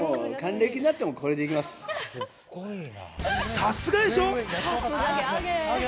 さすがでしょう？